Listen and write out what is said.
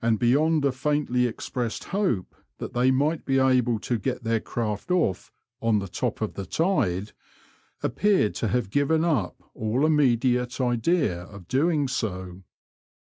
beyond a faintly expressed hope that they might be able to get their craft off •' on the top of the tide," appeared to have given up all immediate idea of doing so.